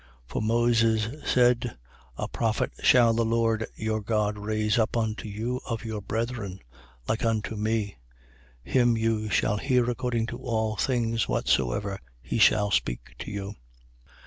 3:22. For Moses said: A prophet shall the Lord your God raise up unto you of your brethren, like unto me: him you shall hear according to all things whatsoever he shall speak to you.